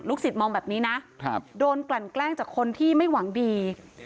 สิทธิ์มองแบบนี้นะโดนกลั่นแกล้งจากคนที่ไม่หวังดี